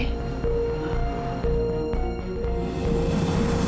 pada saat itu